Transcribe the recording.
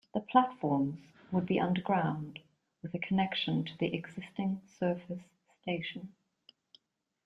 The platforms would be underground, with a connection to the existing surface station.